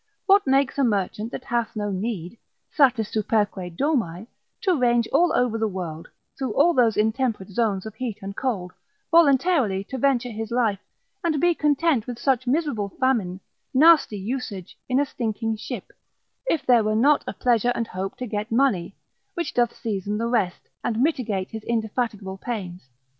What makes a merchant that hath no need, satis superque domi, to range all over the world, through all those intemperate Zones of heat and cold; voluntarily to venture his life, and be content with such miserable famine, nasty usage, in a stinking ship; if there were not a pleasure and hope to get money, which doth season the rest, and mitigate his indefatigable pains?